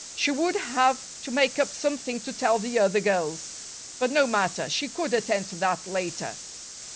She would have to make up something to tell the other girls; but no matter she could attend to that later.